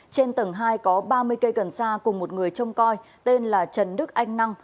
trên tầng hai có ba mươi cây cần sa cùng một người trông coi tên là trần đức anh năng